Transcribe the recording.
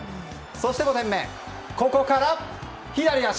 そして５点目、ここから左足。